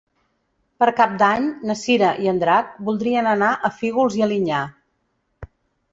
Per Cap d'Any na Cira i en Drac voldrien anar a Fígols i Alinyà.